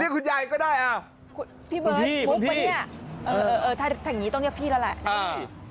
คุณยายขับไว้หรอพี่เบิร์ดถ้าอย่างนี้ต้องเยี่ยมพี่แล้วแหละ